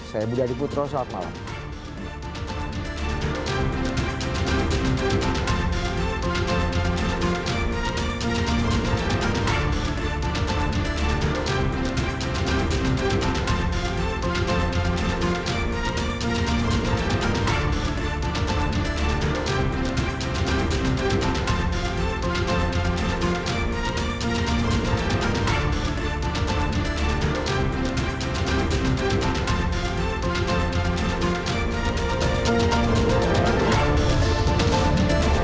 saya budi adiputro selamat malam